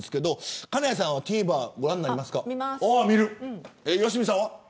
金谷さんはご覧になりますか。